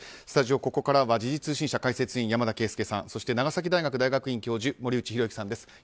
スタジオ、ここからは時事通信社解説委員山田惠資さんそして、長崎大学大学院教授森内浩幸さんです。